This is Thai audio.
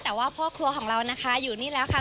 แต่ว่าพ่อครัวของเรานะคะอยู่นี่แล้วค่ะ